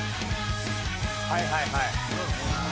はいはいはい。